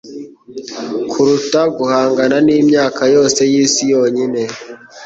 kuruta guhangana n'imyaka yose y'isi yonyine